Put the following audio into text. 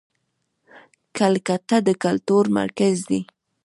کلکته د کلتور مرکز دی.